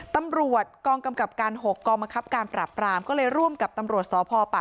ตำรวจกองกำกับการ๖กองบังคับการปราบปรามก็เลยร่วมกับตำรวจสพปะ